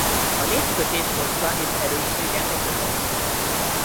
A négy kötés hossza és erőssége azonos.